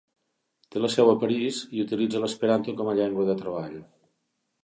Té la seu a París i utilitza l'esperanto com a llengua de treball.